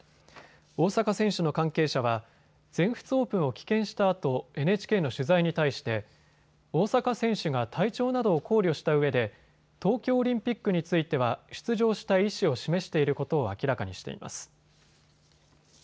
大坂選手の関係者は全仏オープンを棄権したあと、ＮＨＫの取材に対して大坂選手が体調などを考慮したうえで東京オリンピックについては出場したい意思を示していることを明らかにしています。